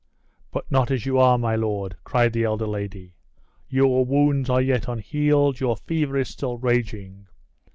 "But not as you are, my lord!" cried the elder lady; "your wounds are yet unhealed; your fever is still raging!